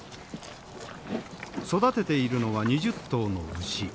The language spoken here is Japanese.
育てているのは２０頭の牛。